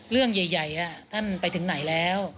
เรื่องใหญ่ท่านไปถึงไหนแล้ว